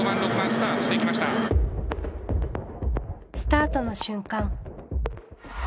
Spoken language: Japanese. スタートの瞬間。